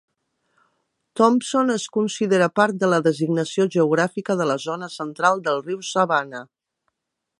Thomson es considera part de la designació geogràfica de la zona central del riu Savannah.